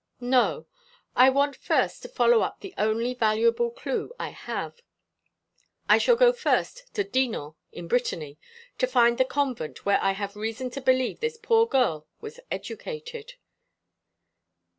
"No. I want first to follow up the only valuable clue I have. I shall go first to Dinan, in Brittany, to find the convent, where I have reason to believe this poor girl was educated."